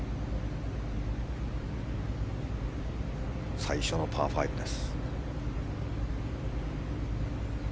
最初のパー５です。